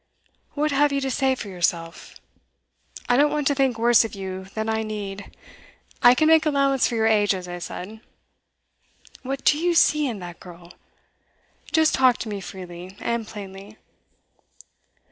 What have you to say for yourself? I don't want to think worse of you than I need. I can make allowance for your age, as I said. What do you see in that girl? Just talk to me freely and plainly.